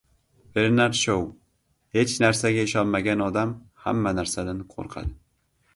Bernard Shou: «Hech narsaga ishonmagan odam hamma narsadan qo‘rqadi».